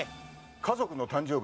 家族の誕生日